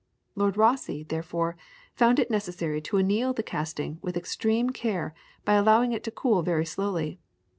Lord Rosse, therefore, found it necessary to anneal the casting with extreme care by allowing it to cool very slowly.